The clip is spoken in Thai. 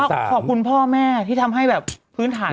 ขอบคุณพ่อแม่ที่ทำให้ภืมถ่าน